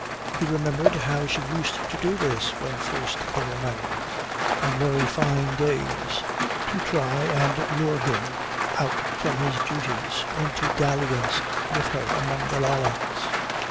He remembered how she used to do this when first they were married, on very fine days, to try to lure him out from his duties into dalliance with her among the lilacs.